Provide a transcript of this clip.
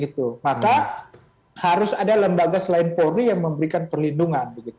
maka harus ada lembaga selain polri yang memberikan perlindungan